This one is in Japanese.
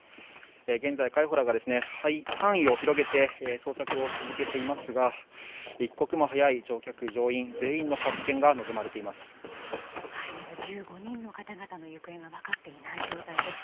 現在、海保らが範囲を広げて捜索を続けていますが一刻も早い乗客・乗員全員の発見が望まれています。